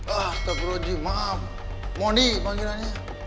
ah tak perlu jiwa maaf mondi panggilannya